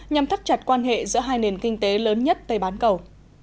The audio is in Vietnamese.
nhằm thắt chặt quan hệ giữa hai nền kinh tế lớn nhất tây bán cầu